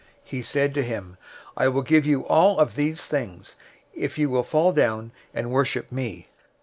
004:009 He said to him, "I will give you all of these things, if you will fall down and worship me."